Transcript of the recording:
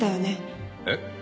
えっ？